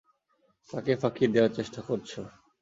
কাকে ফাঁকি দেয়ার চেষ্টা করছো?